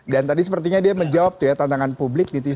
dan tadi sepertinya dia menjawab tantangan publik